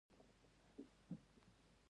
د کابل سیند له افغان کلتور سره نږدې تړاو لري.